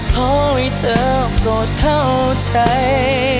เพราะให้เธอโปรดเข้าใจ